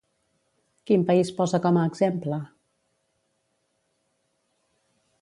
Quin país posa com a exemple?